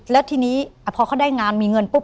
แล้วทีนี้พอเขาได้งานมีเงินปุ๊บ